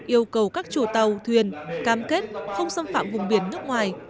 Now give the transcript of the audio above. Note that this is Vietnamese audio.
yêu cầu các chủ tàu thuyền cam kết không xâm phạm vùng biển nước ngoài